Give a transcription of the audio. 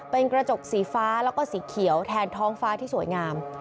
เป็นกระจกสีฟ้าแล้วก็สีเขียวแทนท้องฟ้าที่สวยงาม